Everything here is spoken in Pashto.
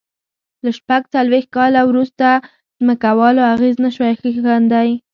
له شپږ څلوېښت کال وروسته ځمکوالو اغېز نه شوای ښندي.